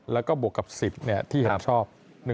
แล้วก็บวกกับ๑๐ที่เห็นชอบ